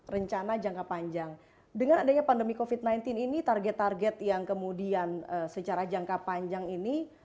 rencana jangka panjang dengan adanya pandemi covid sembilan belas ini target target yang kemudian secara jangka panjang ini